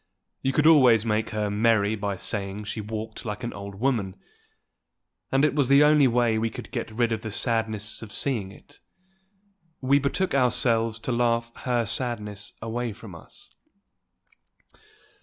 You could always make her merry by saying she walked like an old woman; and it was the only way we could get rid of the sadness of seeing it. We betook ourselves to her to laugh her sadness away from us.